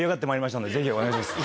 ぜひお願いします。